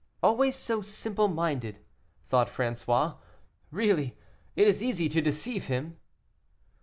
"Always so simple minded," thought François, "really, it is easy to deceive him."